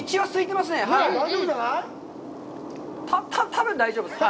多分大丈夫っす。